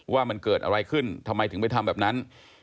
ว่ามันเกิดอะไรขึ้นทำไมถึงไปทำแบบนั้น